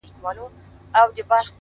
پرمختګ له زړورتیا ځواک اخلي!